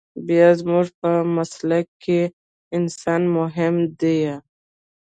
بيا زموږ په مسلک کښې انسان مهم ديه.